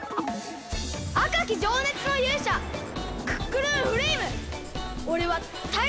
あかきじょうねつのゆうしゃクックルンフレイムおれはタイゾウ！